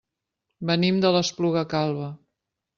Venim de l'Espluga Calba.